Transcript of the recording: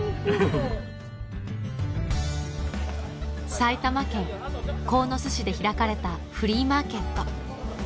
埼玉県鴻巣市で開かれたフリーマーケット